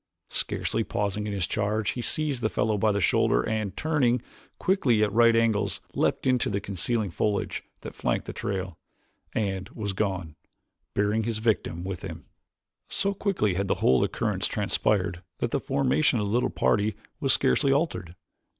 Scarcely pausing in his charge he seized the fellow by the shoulder and, turning quickly at right angles, leaped into the concealing foliage that flanked the trail, and was gone, bearing his victim with him. So quickly had the whole occurrence transpired that the formation of the little party was scarcely altered.